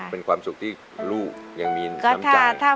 เป็นความสุขที่ลูกยังมีน้ำใจ